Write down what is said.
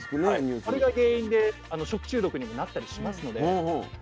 あれが原因で食中毒にもなったりしますので。